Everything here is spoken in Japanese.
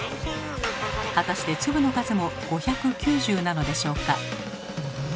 果たして粒の数も５９０なのでしょうか。